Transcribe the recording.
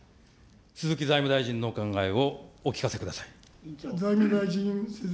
鈴木財務大臣のお考えをお聞かせください。